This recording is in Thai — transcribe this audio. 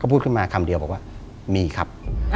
พูดขึ้นมาคำเดียวบอกว่ามีครับ